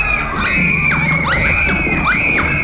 pokoknya kita harus lawan hantu itu